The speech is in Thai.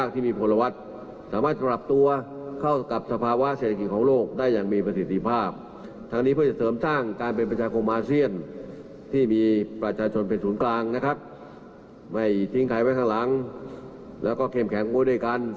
ที่เราต้องเป้าหมายด้วยกัน